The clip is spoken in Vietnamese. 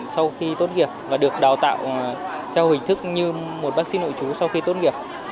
sau khi tốt nghiệp và được đào tạo theo hình thức như một bác sĩ nội chú sau khi tốt nghiệp